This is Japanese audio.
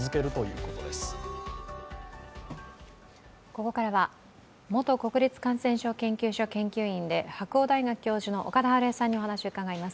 ここからは元国立感染症研究所研究員で白鴎大学教授の岡田晴恵さんにお話を伺います。